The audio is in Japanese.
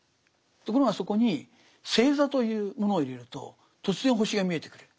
ところがそこに星座というものを入れると突然星が見えてくる。